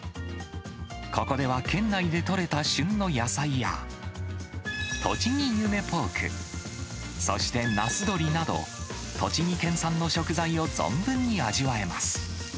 ここでは県内で取れた旬の野菜や、とちぎゆめポーク、そして那須ドリなど、栃木県産の食材を存分に味わえます。